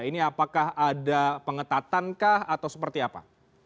ini apakah ada pengetatankah atau seperti apa